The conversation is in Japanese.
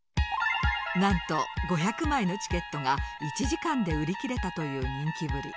なんと５００枚のチケットが１時間で売り切れたという人気ぶり。